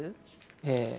ええ。